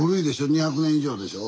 ２００年以上でしょ。